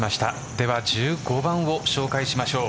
では１５番を紹介しましょう。